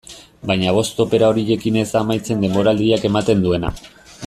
Baina bost opera horiekin ez da amaitzen denboraldiak ematen duena.